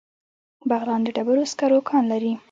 بغلان د ډبرو سکرو کان لري